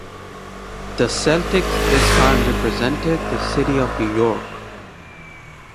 The Celtics this time represented the city of New York.